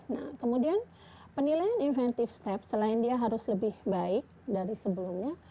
nah kemudian penilaian inventive step selain dia harus lebih baik dari sebelumnya